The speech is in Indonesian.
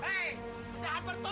hei pendahap bertobet